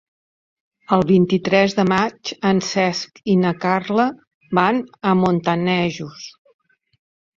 El vint-i-tres de maig en Cesc i na Carla van a Montanejos.